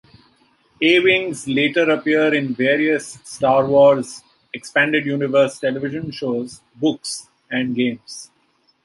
A-wings later appear in various "Star Wars" Expanded Universe television shows, books, and games.